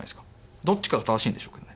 どっちかが正しいんでしょうけどね。